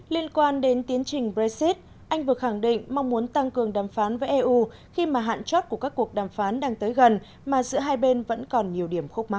liên quan đến tiến trình brexit anh vừa khẳng định mong muốn tăng cường đàm phán với eu khi mà hạn chót của các cuộc đàm phán đang tới gần mà giữa hai bên vẫn còn nhiều điểm khúc mắt